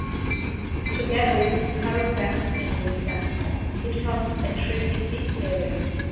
Together with Carlsbad and Vista, it forms a tri-city area.